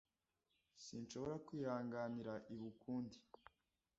Sinshobora kwihanganira ibi ukundi.